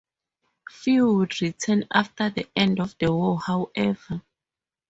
Few would return after the end of the war however.